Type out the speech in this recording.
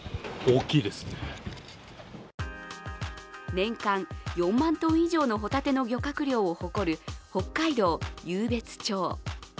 年間４万ｔ以上のホタテの漁獲量を誇る北海道湧別町。